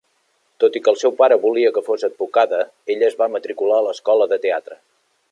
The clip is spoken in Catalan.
Tot i que el seu pare volia que fos advocada, ella es va matricular a l'escola de teatre.